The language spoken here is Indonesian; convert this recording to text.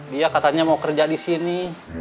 dia katanya mau kerja disini